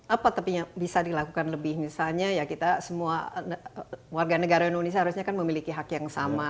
apa tapi yang bisa dilakukan lebih misalnya ya kita semua warga negara indonesia harusnya kan memiliki hak yang sama